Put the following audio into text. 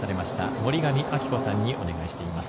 森上亜希子さんにお願いしています。